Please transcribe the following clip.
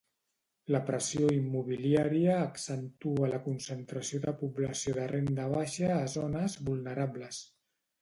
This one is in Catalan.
La pressió immobiliària accentua la concentració de població de renda baixa a zones vulnerables